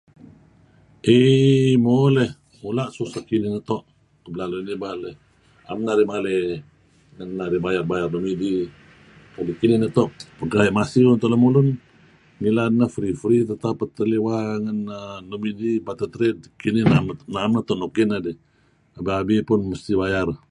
Iih muh leh mula' tuseh kinih neto' naem narih maley bayar-bayar nuk midih narih bayar-bayar nuk midih kadi' kinih neto'. Kinih masiew-masiew tah nuk midih. Ngilad nah free-free tah lemulun. Nuk teliwa nidih patut. Naem neto' nuk kineh dih. Abi-abi pun mesti bayar .